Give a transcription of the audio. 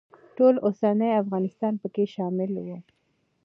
ټول اوسنی افغانستان پکې شامل و.